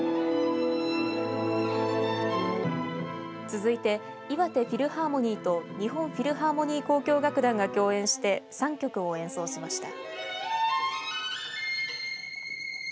続いていわてフィルハーモニーと日本フィルハーモニー交響楽団が共演して３曲を演奏しました。